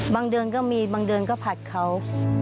เดือนก็มีบางเดือนก็ผลัดเขา